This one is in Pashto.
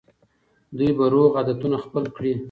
دوی به روغ عادتونه خپل کړي.